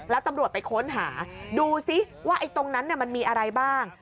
แล้วตำรวจไปค้นหาดูซิว่าตรงนั้นมันมีอะไรบ้าง